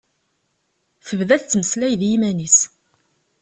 Tebda tettmeslay d yiman-is.